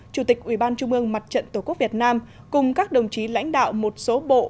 chủ tịch ủy ban trung ương mặt trận tổ quốc việt nam cùng các đồng chí lãnh đạo một số bộ